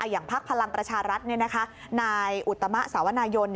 อย่างพักพลังประชารัฐนี่นะคะนายอุตมะสาวนายน